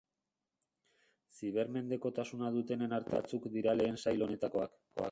Zibermendekotasuna dutenen arteko gutxi batzuk dira lehen sail honetakoak.